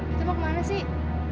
kita mau kemana sih